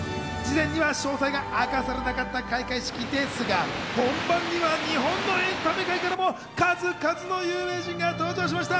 事前には詳細が明かされなかった開会式ですが、本番には日本のエンタメ界からも数々の有名人が登場しました。